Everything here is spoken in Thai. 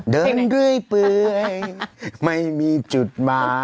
เดินเรื่อยเปื่อยไม่มีจุดมา